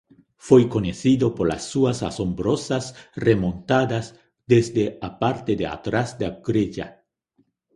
Foi coñecido polas súas asombrosas remontadas desde a parte de atrás da grella.